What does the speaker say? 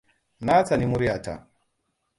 Na tsani muryata.